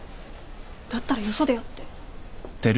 だったらよそでやって。